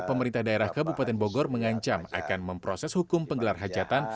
pemerintah daerah kabupaten bogor mengancam akan memproses hukum penggelar hajatan